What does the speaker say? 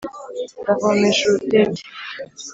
ndavomesha urutete